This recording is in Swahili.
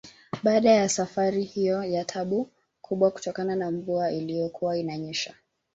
Baada ya safari hiyo ya tabu kubwa kutokana na mvua iliyokuwa inanyesha